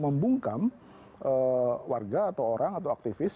membungkam warga atau orang atau aktivis